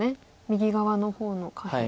右側の方の下辺。